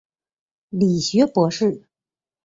理学博士。